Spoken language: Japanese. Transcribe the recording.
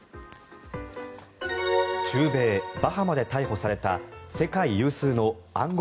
中米バハマで逮捕された世界有数の暗号